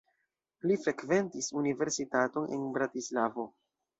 Li frekventis universitaton en Bratislavo.